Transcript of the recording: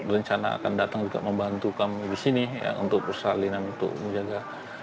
rencana akan datang juga membantu kami di sini untuk persalinan untuk menjaga